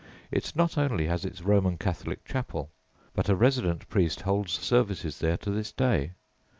It not only has its Roman Catholic chapel, but a resident priest holds services there to this day.